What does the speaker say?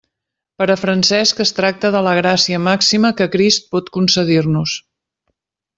Per a Francesc es tracta de la gràcia màxima que Crist pot concedir-nos.